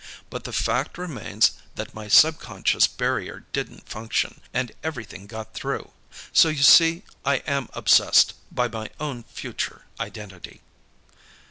But the fact remains that my subconscious barrier didn't function, and everything got through. So, you see, I am obsessed by my own future identity."